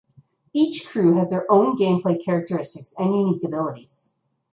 Each crew has their own gameplay characteristics and unique abilities.